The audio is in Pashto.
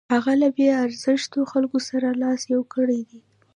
هغه له بې ارزښتو خلکو سره لاس یو کړی دی.